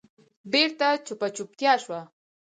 بېرته چوپه چوپتیا شوه.